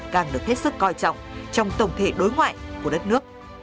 càng được hết sức coi trọng trong tổng thể đối ngoại của đất nước